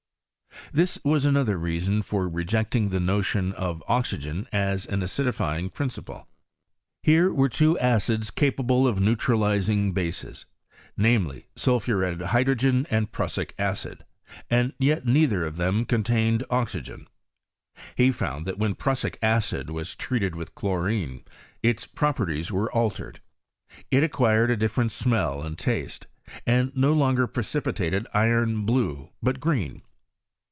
This was another reason for rejecting the notion of oxygen as an acidifying principle. Here were two acids capable of neutralizing bases, namely, sul phuretted hydrogen and prussic acid, and yet nei ther of them contained oxygen. He found that when prussic acid was treated with chlorine, its properties were altered ; it acquired a difTerent smell and taste, and no longer precipitated iron blue, but green.